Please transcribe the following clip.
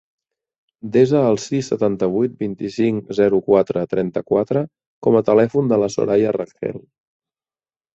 Desa el sis, setanta-vuit, vint-i-cinc, zero, quatre, trenta-quatre com a telèfon de la Soraya Rengel.